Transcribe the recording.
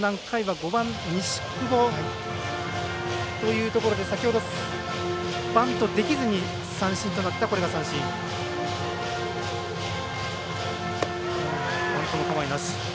５番、西窪というところで先ほどバントできずに三振となっています。